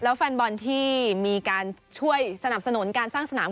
แล้วแฟนบอลที่มีการช่วยสนับสนุนการสร้างสนาม